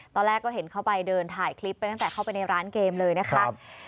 ตอนแรกก็เห็นเข้าไปเดินถ่ายคลิปไปตั้งแต่เข้าไปในร้านเกมเลยนะคะ